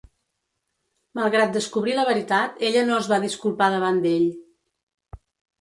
Malgrat descobrir la veritat, ella no es va disculpar davant d'ell.